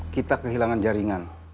kita kehilangan jaringan